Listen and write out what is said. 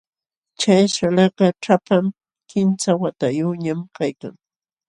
Chay salakaq ćhapam, kimsa watayuqñam kaykan.